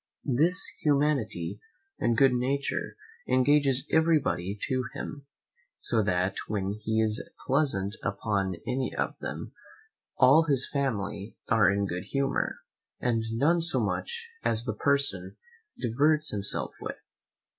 This humanity and good nature engages every body to him, so that when he is pleasant upon any of them, all his family are in good humour, and none so much as the person whom he diverts himself with.